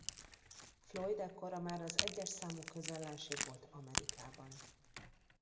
Floyd ekkorra már az egyes számú közellenség volt Amerikában.